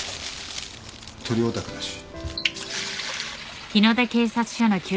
鳥オタクだし。